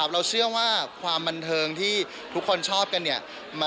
เราเชื่อว่าความบันเทิงที่ทุกคนชอบกันเนี่ย